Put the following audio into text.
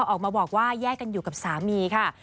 ออกมาบอกว่าแยกกันอยู่กับสามีค่ะ